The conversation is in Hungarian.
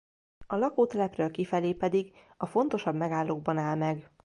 A lakótelepről kifelé pedig a fontosabb megállókban áll meg.